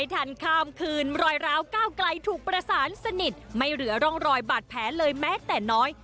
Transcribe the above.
แต่ราวก้าวไกลถูกประสานสนิทไม่เหลือร่องรอยบาดแผลเลยแม้แต่น้อย